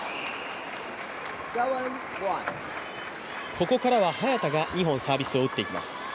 ここからは早田が２本サービスを打っていきます。